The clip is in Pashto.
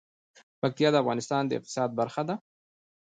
پکتیا د افغانستان د اقتصاد برخه ده.